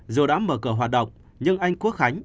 dù đã mở cửa hoạt động nhưng anh quốc khánh